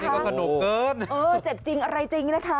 ว่าสนุกเกินเออเจ็บจริงอะไรจริงนะคะ